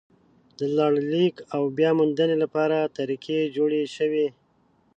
د لړلیک او بیا موندنې لپاره طریقې جوړې شوې.